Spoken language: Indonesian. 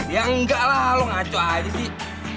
ya enggak lah lo ngacau aja sih